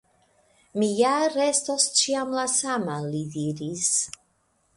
Mi ja restos ĉiam la sama, li diris.